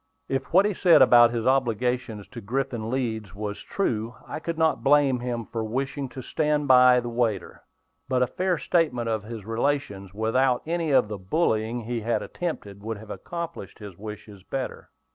If what he said about his obligations to Griffin Leeds was true, I could not blame him for wishing to stand by the waiter. But a fair statement of his relations, without any of the bullying he had attempted, would have accomplished his wishes better.